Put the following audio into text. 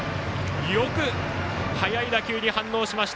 よく速い打球に反応しました。